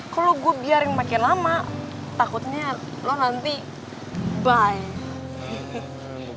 kalau gue biar yang makin lama takutnya lo nanti bye